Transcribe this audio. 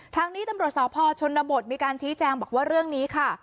ทางนี้ตำรวจสพชนบทมีการชี้แจงบอกว่าเรื่องนี้ค่ะ